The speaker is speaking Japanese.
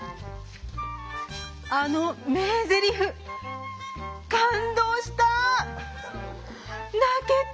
あの名ゼリフ感動した。